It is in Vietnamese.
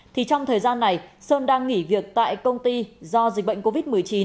thì trong thời gian này sơn đang nghỉ việc tại công ty do dịch bệnh covid một mươi chín